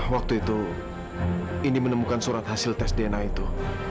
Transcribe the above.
waktu itu ini menemukan surat hasil tes dna itu